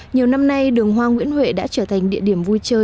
nhiều năm nay đường hoa nguyễn huệ đã trở thành địa điểm vui chơi